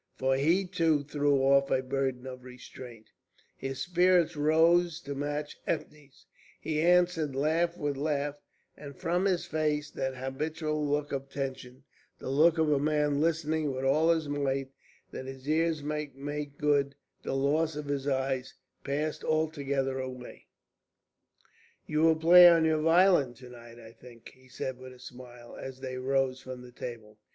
For he, too, threw off a burden of restraint; his spirits rose to match Ethne's; he answered laugh with laugh, and from his face that habitual look of tension, the look of a man listening with all his might that his ears might make good the loss of his eyes, passed altogether away. "You will play on your violin to night, I think," he said with a smile, as they rose from the table.